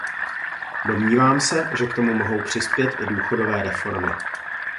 Domnívám se, že k tomu mohou přispět i důchodové reformy.